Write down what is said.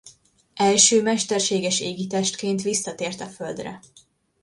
Első mesterséges égitestként visszatért a Földre.